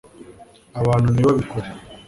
abantu ntibabikora